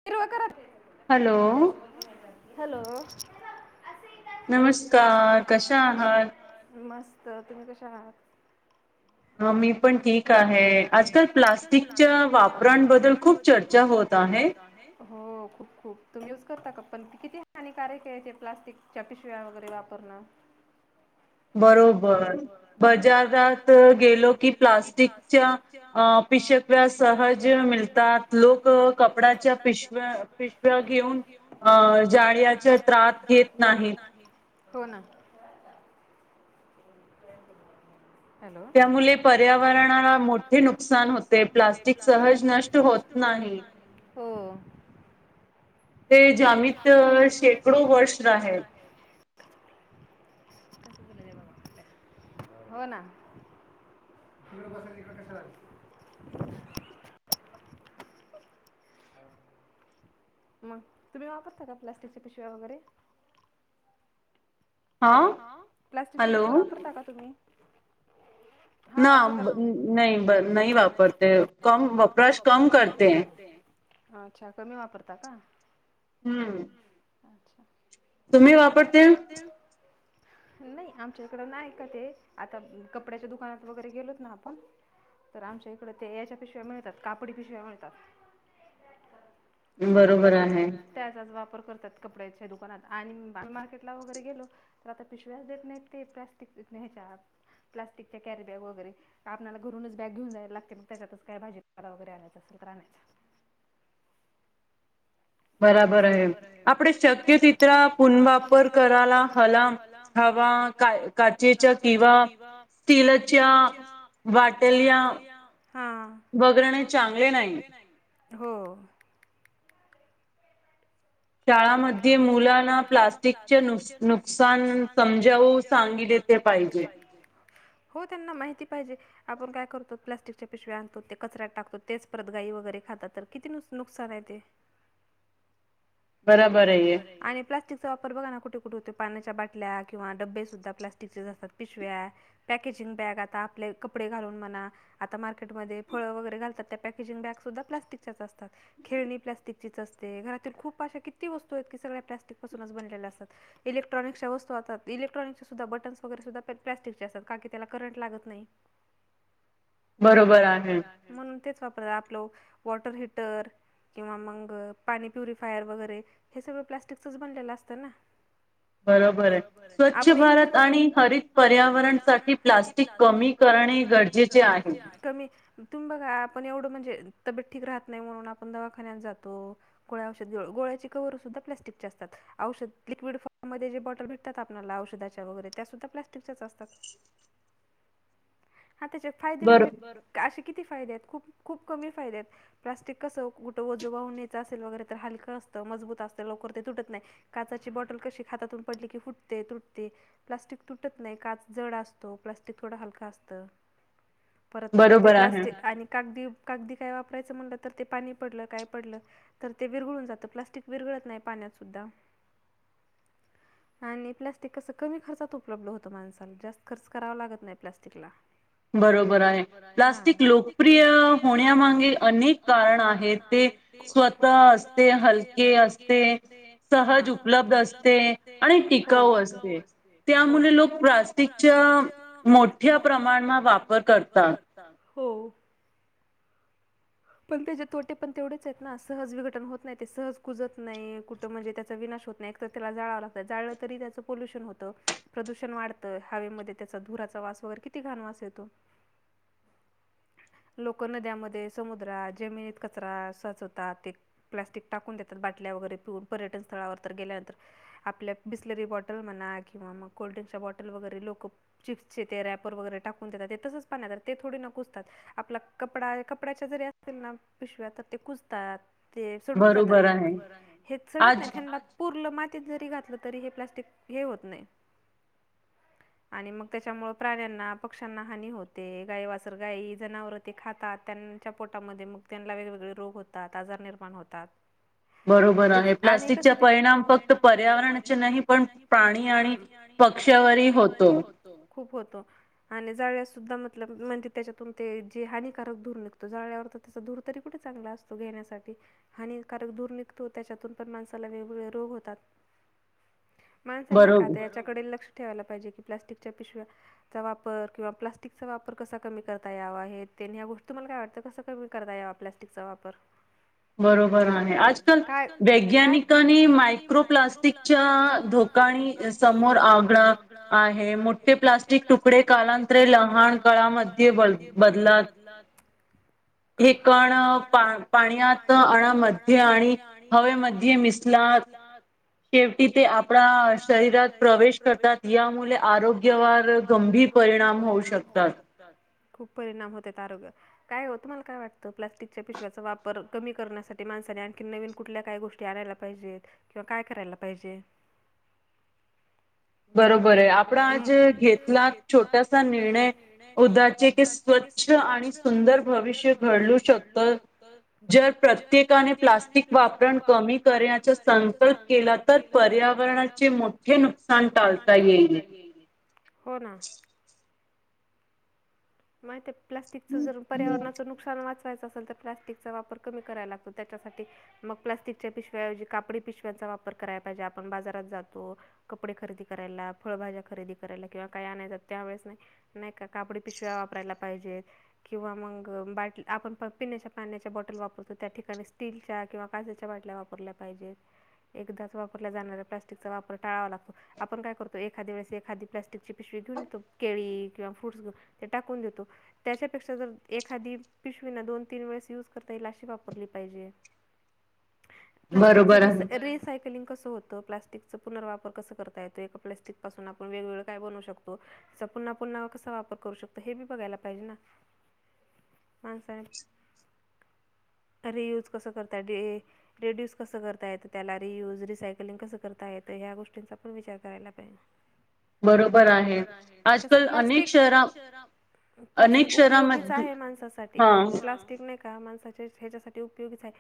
[inaudible] हा तेच हॅलो मी मस्त तुम्ही कशा आहात? ह मी पण ठीक आहे आजकाल प्लास्टिकच्या वापरांबद्दल खूप चर्चा होत आहे, हो खूप खूप तुम्ही युज करता का पण किती हानिकारक आहे ते प्लास्टिक च्या पिशव्या वगैरे वापरणं बरोबर बजयारात गेलो की प्लास्टिकच्या अ पिशव्या सहज मिळतात लोक कपडाच्या पिशव्या पिशव्या घेऊन अ अ जाळयाचे त्रात घेत नाही हो ना हॅलो त्यामुळे पर्यावरणाला मोठे नुकसान होते प्लास्टिकच द्रिष्ट होत नाही हो ते जामित शेकडो वर्ष आहे. [unintelligible] हो ना मग तुम्ही वापरता का प्लास्टिकच्या पिशव्या वगैरे हॅलो प्लास्टिकच्या पिशव्या वापरता का तुम्ही हा वापर नाही नाही वापर कम वापरश कम करते ह् अच्छा कमी वापरता का, हम्म तुम्ही वापरतील नाही आमच्या इकडं नाही का ते आता कपड्याच्या दुकानात वगैरे गेलोत ना आपण तर आमच्या इकडे ते याच्या पिशव्या मिळतात कापडी पिशव्या मिळतात त्याचा त्याचाच वापर करतात कपड्याच्या दुकानात आणि मार्केटला वगैरे गेलो तर आता पिशव्याच देत नाहीत ते प्लाॅस्टिक हेच्या प्लास्टिकच्या कॅरी बॅग वगैरे क आपणाला घूरूनच बॅग घेऊन जावी लागते मग त्यांतच काय भाजीपाला वगैरे आणायचा असेल तर आणण्याचा बराबर आहे आपण शक्य तितंका पुनंवापर करायला हला हवा काय काचेच्या किंवा स्टीलीलच्या वाटेल या हा वगरे नाही चांगले नाही हो शाळामध्ये मुलांना प्लास्टिकचे नुकसान समजवू सांगितले हो त्यांना माहिती पाहिजे आपण काय करतो प्लास्टिकच्या पिशव्या आणतो ते कचऱ्या टाकतो तेच परत गाई वगैरे खातात तर किती नु नुकसान आहे ते, बरोबर आणि प्लास्टिक वापर बघा ना कुठे कुठे होतोय पाण्याच्या बाटल्या किंवा डबे सुद्धा प्लास्टिकचे असतात पिशव्या पॅकेजिंग बॅग आता आपले कपडे घालून म्हणा आता मार्केटमध्ये फळं वगैरे घालतात त्या पॅकेजिंग बॅग सुद्धा प्लास्टिकच्याच असतात. खेळणी प्लास्टिकचीच असते घरातील खूप अशा किती वस्तू आहेत की सगळ्या प्लास्टिक पासूनच बनलेल्या असतात, इलेक्ट्रॉनिक्च्या वस्तू असतात इलेक्ट्रॉनिकच्या सुद्धा बटन् वगैरे सुद्ध प्लास्टिकचे असतात का कि त्याला करंट लागत नाही बरोबर आहे म्हणून तेच वापरत आपलं वॉटर हिटर किंवा मग पाणी प्युरिफायर वगैरे हे सगळं प्लास्टिकचच बनलेलं असतं ना बरोबर आहे स्वच्छ भारत आणि हरित पर्यावरण साठी प्लास्टिक कमी करणे गरजेचे आहे कमी तुम्ही बघा आपण एवढं म्हणजे तब्येत ठीक राहत नाही म्हणून आपण दवाखान्यात जातो गोळ औषध गोळ्याची धा प्लास्टिक असतात लिक्विडॉमध्येे बॉटल भटतात आपल्या औषा वगर त्या सुद्ा प्लास्ट असतात ह त्याचे फायदे म्हणजे असे किती फायदे आहेत खूप खूप कमी फायदे आहेत प्लास्टिक कसं कुठं वजो वाहून यायच असेल वगैरे तर हलकं अस मजबूत असते लोककर ते तुटत नाही काचाची बॉटल कशी खातातून पडली की फुटते तुटते प्लास्टिक तुटत नाही काच जड असतो प्लास्टिक थोडं हलका असतं परत मग ते प्लास्टिक आणि कागदी कागदी काय वापरायचं म्हणलं तर ते पाणी पडलं काय पडलं तर ते विरळून जात्ला ते विरगळत नाही पाण्यात सुद्धा आणि प्लास्टिक कसं कमी खर्चात उपलब्ध होतं माणसाला जास्त खर्च करावा लागत नाही प्लास्टिकला ह बरोबर आहे प्लास्टिक लोकप्रिय होण्यामागे अनेक कारण आहेत ते स्वतः असते हलके असते सहज उपलब्ध असते आणि टिकाऊ असते, त्यामुळे लोक प्लास्टिकच्या मोठ्या प्रमाणात हो पण त्याचे तोटे पण तेवढेच आहेत ना सहज विघटन होत नाही ते सहज कुजत नाही कुठं म्हणजे त्याचा विनाश होत नाही, त्याला जाळांव लागत जाळलं तरी त्याचं पोल्युशन होतं प्रदूषण वाढतं हवेमध्ये त्याचा धुराचा वास वगैरे किती घाणवास येतो लोक नद्यांमध्ये समुद्रात जमिनीत कचरा साचवतात ते प्लास्टिक टाकून देतात बाटल्या वगैरे पिऊून पर्यटन स्थळावर तर गेल्यानंतर आपल्या बिसलरी बॉटल म्हणा किंवा मग कोल्ड्रिंकच्या बॉटल वगैरे लोक चिप्सचे ते रॅपर वगैरे टाकून देतात ते तसच पाण्या ते थोडी नकुसतात आपला कपडा कपड्याच्या जरी असेल ना पिशव्या तर ते कुसतात ते सडून जातात हे चडत नाही त्यांना पुूर्लं मातीत जरी घातलं तरी हे प्लास्टिक हे होत नाही आणि मग त्याच्यामु प्राण्यांना पक्ष्यांना हानी होते गाईवासर गाय जनावर ते खातात त्यांच्या पोटामध्ये मग त्यांना वेगवेगळे रोग होतात आजार निर्माण होतात बरोबर आहे प्लास्टिकचा परिणाम फक्त पर्यावरणाचे नाही पण प्राणी आणि पक्षावरही होतो खूप होतो आणि जाळ्यास सुद्धा मतल म्हणजे त्याच्यातून ते जे हानिकक धूर निघतो जळवर तर त्याचा धूर तरी कुे चांगला असतो घेण्यासाठी हानिकारक दूर निघत त्याच्यातून पण माणसाला वेगवेगळे रोग होतात माणसां नाही काता याच्याकडे लक्ष ठेवायला पाहिजे की प्लास्टिकच्यािशव्या चा वापर किंवा प्लास्टिकचा वापर कसा कमी करता यावा आहे ते ह्या गोष्टी तुम्हाला काय वाटतं कसं करताय या प्लास्टिकचा वापर बरोबर आहे वै्ञानिकनी मायक्रोप्लास्टिकच्या धोक्या ठणी समोर आगळं आहे मोठे प्लास्टिक तुकडे कालांतरे लहान कळामध्ये ते ब बदलात हेिकण पा पाण्यात पाण्यात अमध्ये आणि हवेमध्ये मिसला शेवटी ते आपणा शरीरात प्रवेश करतात यामुळे आरोग्यवर गंभीर गंभीर परिणाम होऊ शकतात खूप परिणाम होतात आरोग्यात काय हो तुमला काय वाटतं प्लास्टिकच्या पिशव्याचा वापर कमी करण्यासाठी माणसाने आणखीन नवीन कुठल्या काय गोष्टी आणायला किंवा काय करायला पाहिजे? बरोबर आहे. आपण आज घेतला छोटासा निर्णय उद्याचे की जे की, स्वच्छ आणि सुंदर भविष्य घडलू शकत. जर प्रत्येकाने प्लास्टिक वापरण कमी करण्याचा संकल्प केला तर पर्यावरणाचे मोठे नुकसा नुकसान टालता येईल, हो ना [inaudible] माहि प्लास्टिक जर पर्यावरणाच नुकसान वाचवायचं असेल तर, प्लॅस्टिकचा वापर कमी कराय लागतो त्याच्यासाठी मग प्लास्टिकच्या पिशव्याऐवजी कापडी पिशव्यांचा वापर कराला पाहिजे, आपण बाजारात जातो. कपडे खरेदी करायला, फळभाज्या खरेदी करायला, किंवा काय आणायचं त्यावेेळेस नाही नाही का कापडी पिशव्या वापरायला पाहिजेत. किंवा मग बाट, आपण पिण्याच्या पाण्याच्या बॉटल वापरतो, त्या ठिकाणी स्टीलच्या किंवा कास्याच्या बाटल्या वापरतो. वापरल्या पाहिजेत, एकदाच वापरल्या जाणाऱ्या प्लास्टिकचा वापर टाळावा लागतो. आपण काय करतो, एखाद्या वेळेस एखादी प्लास्टिकची पिशवी घेऊन येतो केळी किंवा फ्रूट टाकून देतो. त्याच्यापेक्षा जर, एखादी पिशवीना दोन तीन वेळेस युज करता ह ला अशी वापरली पाहिजे. प्लास्टिक र रिसायकलिंग कस होत? प्लास्टिकचचा पुनर्वापर कस करता येतो, एका प्लास्टिक पासून आपण वेगवेगळं काय बनू शकतो. त्याचा पुन्हा, पुन्हा, कसा वापर करू शकतो. तर हे बी बघायला पाहिजे ना, माणसाने अरे यूज कसं करतात रिड्यूस कसं करतायेत, त्याला रियूज रिसायकलिंग कसं करता येत, ह्या गोष्टींचा पण विचार करायला पाहिजे. बरोबर आहे, कस प्लास्टिक अनेक शहर प्लास्टिक उपयोगीच आहे माणसासाठी, प्लास्टिक नाही का माणसाचे ह्याच्यासाठी उपयोगीच आहे.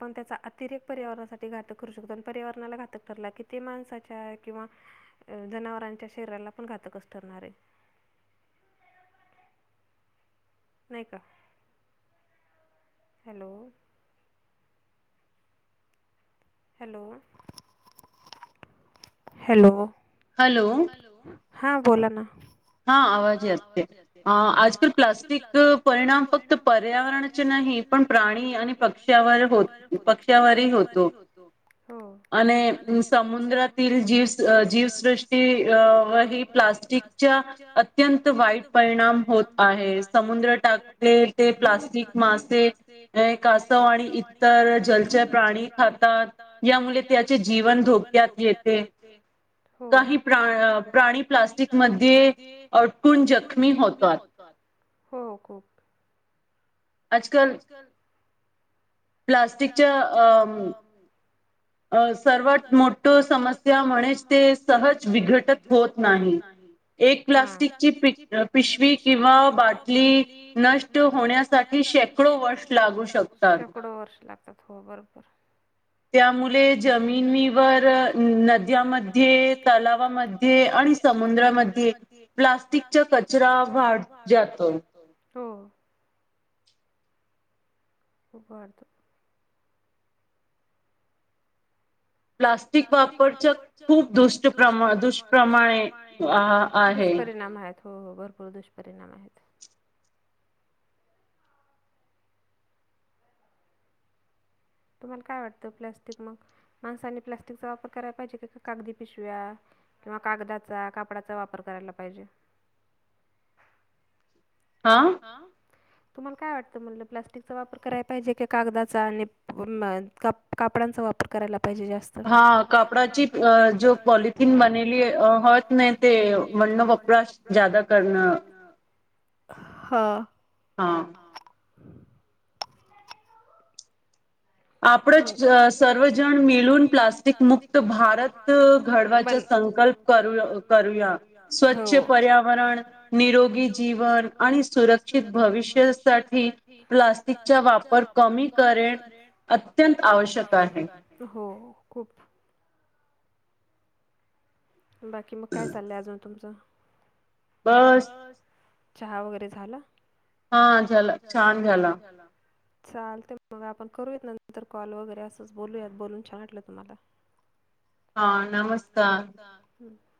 पण त्याचा अतिरेक पर्यावरणासाठी घातक करू शकतो, आणि पर्यावरणाला घातक ठरला किती माणसाच्या किंवा अ जनावरांच्या शरीराला पण घातकच ठरणार आहे. नाही का, hello. Hello. Hello. Hello. Hello, हां बोला ना. हा आवाजही असते, अ आजकाल प्लास्टिक परिणाम फक्त पर्यावरण नाही पण प्राणी आणि पक्ष्यावर हो पक्ष्यावरही होतो. आणि समुद्र जीव जीवसृष्टी ही प्लास्टिक अत्यंत वाईट परिणाम होत आहे. समुद्र टाकतील ते प्लास्टिक मासे अ कासव आणि इतर जलचे प्राणी खातात. यामुळे त्याचे जीवन धोक्यात येत. ते काही प्र प्राणी प्लास्टिक मध्ये अडकून जखमी होतात. हो खुप अजकाल प्लास्टिकच्या सर्वात मोठ समस्या म्हणेच, ते सहज बघटत होत नाही. प्लास्टिकची पिशवी किंवा बाटली नष्ट होण्यासाठी शेकडो वर्ष लागू शकतात, हो बरोबर. त्यामुळे जमिनीवर, नद्यामध्ये, तलावामध्ये, आणि समुद्रामध्ये प्लास्टिकचा कचरा वाढ जातो. हो. होारद प्लास्टिक वापरच्या खूप दष्टमा दुष्प्रमाणे दुष्परिणाम आहेत हो हो भरपूर दुष्परिणाम आहेत तुम्हाला काय वाटतं प्लाॅस्टिक मग माणसांनी प्लास्टिकचा वापर करायला पाहिजे का का कागदी पिशव्या किंवा कागदाचा कापडाचा वापर करायला पाहिजे हा हा तुम्हाला काय वाटतं म्हलं प्लास्टिकचा वापर करायला पाहिजे क कागदाचा आणि कापडांचा वापर करायला पाहिजे जास्त हा कपडाची जो कॉटिन बनली होत नाही ते म्हणण ज्यादा करण हा हा सर्वजण मिलून प्लास्टिक मुक्त भारत बनच्या संख ल् करूया स्वच्छ पर्यावरण निरोगी जीवन आणि सुरक्षित भविष्यासाठी प्लास्टिकचा वापर कमी करेन अत्यंत आवश्यक आहे हो खूप बाकी मग काय चाललंय अजून तुमचं ब चहा वगैरे झाला हा झाला छान झाला चालते मग आपण करूयात नंतर कॉल वगैरे असंच बोलूयात बोलून छान वाटलं तुम्हाला हा नमस्कार ह